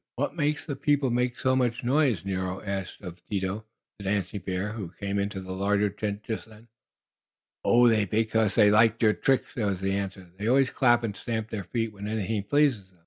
"What makes the people make so much noise?" asked Nero of Dido, the dancing bear, who came into the larger tent just then. "Oh, that's because they liked your tricks," was the answer. "They always clap and stamp their feet when anything pleases them.